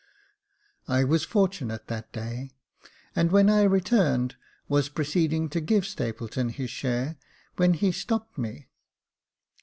I was fortunate that day, and when I returned, was proceeding to give Stapleton his share, when he stopped me.